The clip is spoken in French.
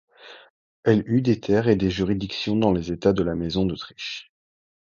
Elle eut des terres et des juridictions dans les états de la Maison d'Autriche.